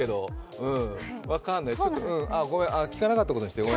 ごめん、聞かなかったことにして。